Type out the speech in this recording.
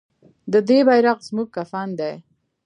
د دې بیرغ زموږ کفن دی